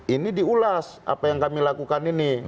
ini diulas apa yang kami lakukan ini